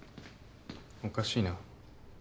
おかしいな。